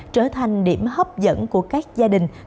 trở thành điểm hấp dẫn của các gia đình